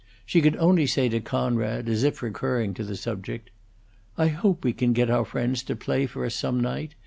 She could only say to Conrad, as if recurring to the subject, "I hope we can get our friends to play for us some night.